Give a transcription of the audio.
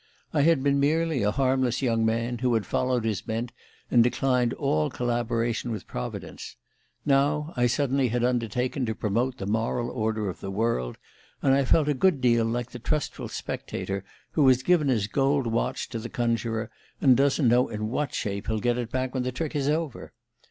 I had been merely a harmless young man, who had followed his bent and declined all collaboration with Providence. Now I had suddenly undertaken to promote the moral order of the world, and I felt a good deal like the trustful spectator who has given his gold watch to the conjurer, and doesn't know in what shape he'll get it back when the trick is over